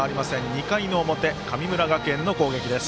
２回の表、神村学園の攻撃です。